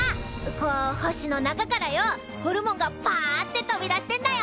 こう星の中からよおホルモンがパァッて飛び出してんだよ。